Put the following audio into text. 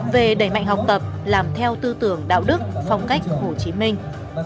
về đẩy mạnh học tập làm theo tư tưởng đạo đức phong cách hồ chí minh